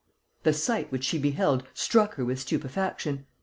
] The sight which she beheld struck her with stupefaction.